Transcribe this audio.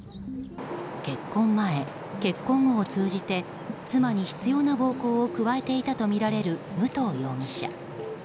結婚前、結婚後を通じて妻に執拗な暴行を加えていたとみられる武藤容疑者。